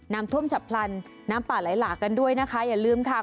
น้ำท่วมฉับพลันน้ำป่าไหลหลากกันด้วยนะคะอย่าลืมค่ะ